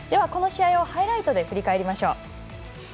この試合をハイライトで振り返りましょう。